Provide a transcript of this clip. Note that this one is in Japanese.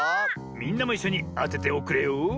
みんなもいっしょにあてておくれよ。